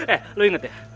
eh lo inget ya